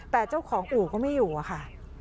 แต่เจ้าของอู่ก็ไม่อยู่อะค่ะ